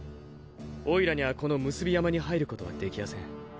オイラにゃこの産霊山に入ることはできやせん。